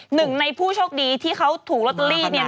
หนึ่งในผู้โชคดีที่เขาถูกลอตเตอรี่เนี่ย